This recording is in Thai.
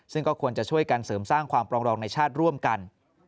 ซึ่งก็ควรจะช่วยกันเสริมสร้างความปรองดองในชาติร่วมกัน